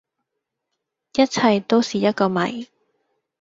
一切都是一個謎